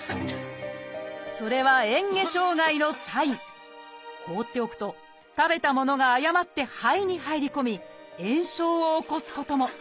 それは放っておくと食べたものが誤って肺に入り込み炎症を起こすことも。